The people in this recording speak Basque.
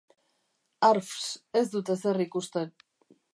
Arffs! Ez dut ezer ikusten.